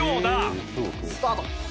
「スタート」